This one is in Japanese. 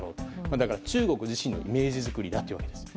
だから、中国自身のイメージ作りだといわれています。